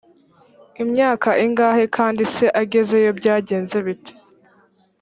imyaka ingahe kandi se agezeyo byagenze bite